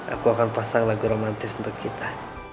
aku akan pasang lagu romantis untuk kita